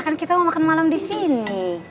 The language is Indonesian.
kan kita mau makan malam disini